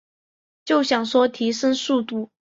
就想说提升速度